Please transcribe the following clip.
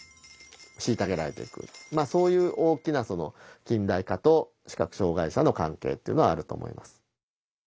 そういう大きな近代化と視覚障害者の関係っていうのはあると思います。